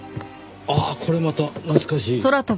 あっこれまた懐かしい。